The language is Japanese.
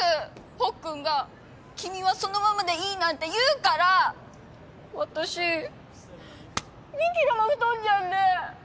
ほっくんが君はそのままでいいなんて言うから私２ｋｇも太っちゃって。